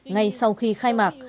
ngay sau khi khai mạc